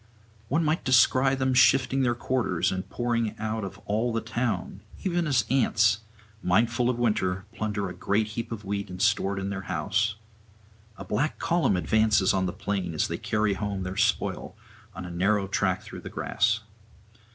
... One might descry them shifting [401 433]their quarters and pouring out of all the town: even as ants, mindful of winter, plunder a great heap of wheat and store it in their house; a black column advances on the plain as they carry home their spoil on a narrow track through the grass.